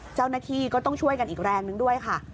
เจ้าหน้าที่ก็ต้องช่วยกันอีกแรงนึงด้วยค่ะ